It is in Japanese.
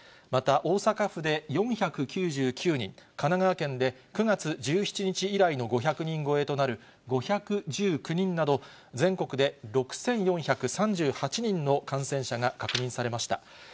また大阪府で４９９人、神奈川県で９月１７日以来の５００人超えとなる５１９人など、全国で６４３８人の感染者が確認されました。